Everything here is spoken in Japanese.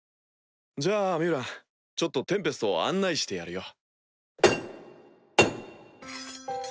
じゃあミュウランちょっとテンペストを案内してやるよ。